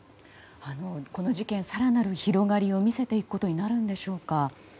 この事件、更なる広がりを見せていくことになるんでしょうか。